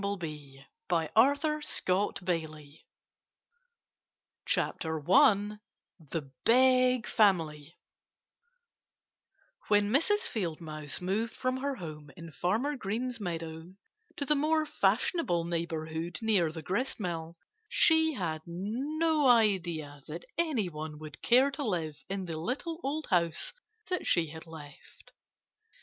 (Page 56) 56 THE TALE OF BUSTER BUMBLEBEE I THE BIG FAMILY When Mrs. Field Mouse moved from her home in Farmer Green's meadow to the more fashionable neighborhood near the gristmill, she had no idea that anyone would care to live in the little old house that she had left.